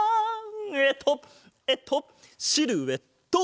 えっとえっとシルエット！